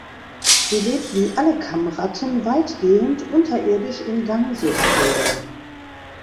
Sie lebt wie alle Kammratten weitgehend unterirdisch in Gangsystemen.